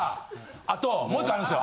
あともう１個あるんですよ。